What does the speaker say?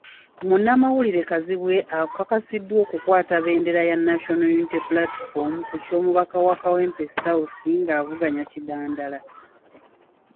Munnamawulire Kazibwe akakasiddwa okukwata bbendera ya National Unity Platform ku ky'omubaka wa Kawempe South ng'avuganya Kidandala.